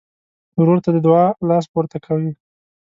ورور ته د دعا لاس پورته کوي.